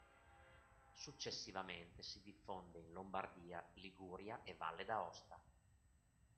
Successivamente si diffonde in Lombardia, Liguria e Valle d'Aosta.